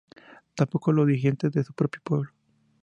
Tampoco los dirigentes de su propio pueblo.